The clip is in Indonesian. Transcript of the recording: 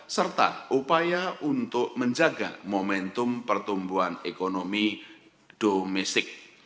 serta upaya untuk menjaga momentum pertumbuhan ekonomi domestik